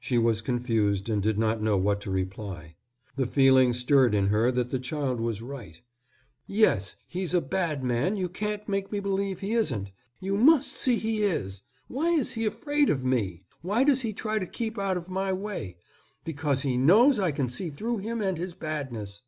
She was confused and did not know what to reply. The feeling stirred in her that the child was right. "Yes, he's a bad man, you can't make me believe he isn't. You must see he is. Why is he afraid of me? Why does he try to keep out of my way? Because he knows I can see through him and his badness."